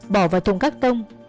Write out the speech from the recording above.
bỏ vào thùng cắt tông